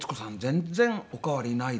全然お変わりないですね。